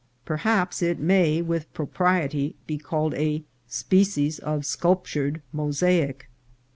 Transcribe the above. Perhaps it may, with propriety, be called a species of sculptured mosaic.